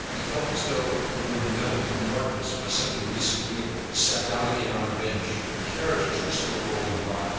He felt as though he were enveloped in darkness by something disagreeable. He sat down again on a bench. The carriages were still rolling by.